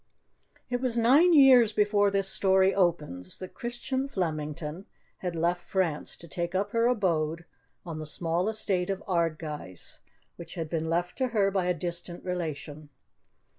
It was nine years before this story opens that Christian Flemington had left France to take up her abode on the small estate of Ardguys, which had been left to her by a distant relation.